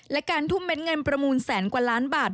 และการทุ่มเม้นเงินประมูลแสนกว่าล้านบาท